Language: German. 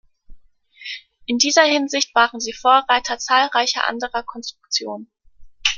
In dieser Hinsicht waren sie Vorreiter zahlreicher anderer Konstruktionen.